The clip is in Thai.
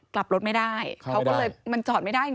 กลับรถไม่ได้เขาก็เลยมันจอดไม่ได้จริง